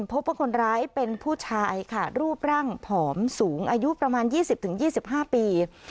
พบว่าคนร้ายเป็นผู้ชายค่ะรูปร่างผอมสูงอายุประมาณยี่สิบถึงยี่สิบห้าปี